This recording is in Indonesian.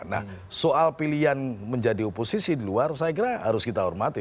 nah soal pilihan menjadi oposisi di luar saya kira harus kita hormati